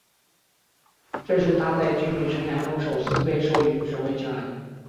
这是他在军旅生涯中首次被授予指挥权。